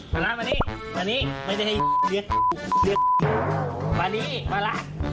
มาละมานี่มานี่